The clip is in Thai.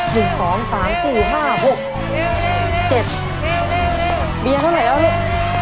หนึ่งสองสี่ห้าหกเจ็ดเบียร์เท่าไหร่แล้วเนี้ย